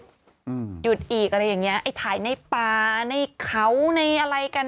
หยุดอีกอะไรอย่างเงี้ไอ้ถ่ายในป่าในเขาในอะไรกัน